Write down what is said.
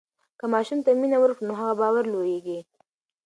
که ماشوم ته مینه ورکړو نو هغه باوري لویېږي.